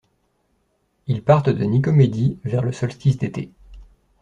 Ils partent de Nicomédie vers le solstice d'été.